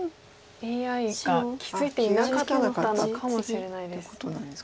ＡＩが気付いていなかったのかもしれないです。